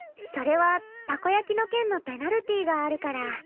それはたこ焼きの件のペナルティーがあるから。